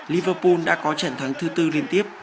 liverpool đã có trận thắng thứ bốn liên tiếp